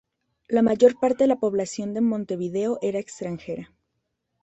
La mayor parte de la población de Montevideo era extranjera.